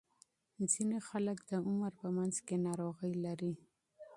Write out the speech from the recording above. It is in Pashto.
ځینې خلک د عمر په منځ کې ناروغۍ لري.